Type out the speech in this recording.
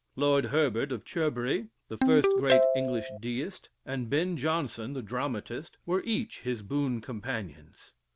Lord Herbert, of Cherbury, the first great English Deist, and Ben Jonson, the dramatist, were each his boon companions.